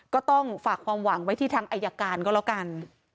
ก็ต้องฝากความหวังไว้ที่ทางอายการก็แล้วกัน